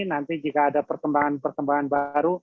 nanti jika ada perkembangan perkembangan baru